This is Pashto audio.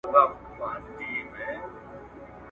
نور به ولټوي ځانته بله چاره `